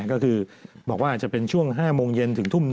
ก็คือบอกว่าอาจจะเป็นช่วง๕โมงเย็นถึงทุ่ม๑